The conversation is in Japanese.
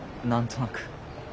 何となく。